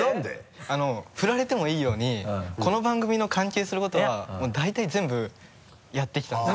振られてもいいようにこの番組の関係することはもう大体全部やってきたんです。